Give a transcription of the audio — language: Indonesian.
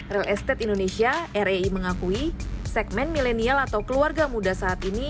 real estate indonesia rai mengakui segmen milenial atau keluarga muda saat ini